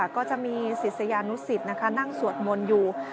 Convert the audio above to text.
ก็จะมีศิษยานุสิตนั่งสวดมนต์อยู่